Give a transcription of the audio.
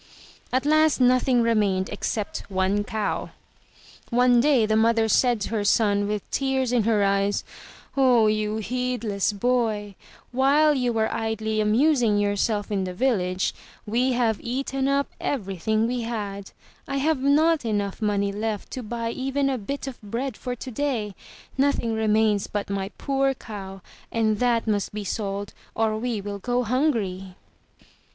At last nothing remained except one cow. One day the mother said to her son with tears in her eyes, ''Oh, you heedless boy, while you were idly amusing yourself in the village, we have eaten up ■♦ Freely Adapted from the English Folk Tale. MY BOOK HOUSE everything we had. I have not money enough left to buy even a bit of bread for today. Nothing remains but my poor cow, and that must be sold or we will go hungry.'